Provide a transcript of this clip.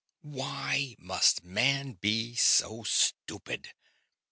"WHY must man be so stupid?